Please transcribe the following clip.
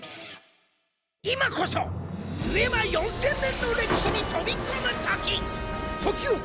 今こそデュエマ４０００年の歴史に飛び込むとき。